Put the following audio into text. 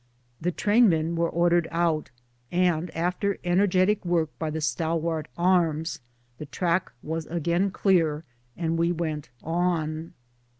The train men were ordered out, and after energetic work by the stalwart arms the track was again clear and we went on.